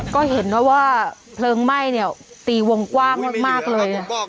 ก็เห็นนะว่าเพลิงไหม้เนี่ยตีวงกว้างมากเลย